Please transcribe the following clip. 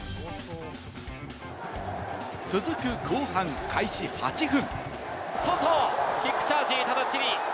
続く後半開始８分。